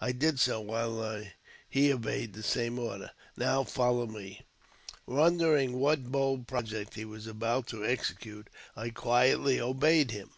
I did so, while he obeyed the same order. " Now follow me." Wondering what bold project he was about to execute, I quietly obeyed him.